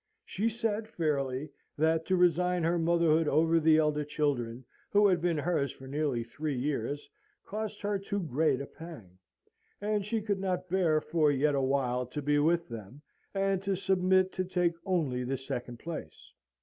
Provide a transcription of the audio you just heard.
She said, fairly, that to resign her motherhood over the elder children, who had been hers for nearly three years, cost her too great a pang; and she could not bear for yet a while to be with them, and to submit to take only the second place.